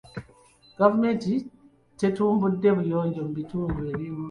Gavumenti tetumbudde buyonjo mu bitundu ebimu.